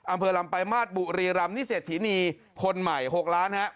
อำเภอลำปลายมาสบุรีรำนิเศรษฐีนีคนใหม่๖ล้านฮะ